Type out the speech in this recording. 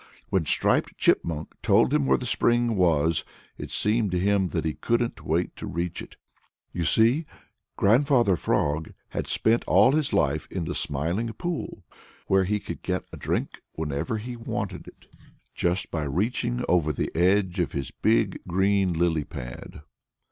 When Striped Chipmunk told him where the spring was, it seemed to him that he couldn't wait to reach it. You see, Grandfather Frog had spent all his life in the Smiling Pool, where he could get a drink whenever he wanted it by just reaching over the edge of his big green lily pad.